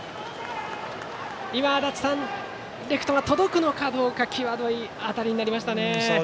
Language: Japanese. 今、足達さんレフトが届くのかどうか際どい当たりになりましたね。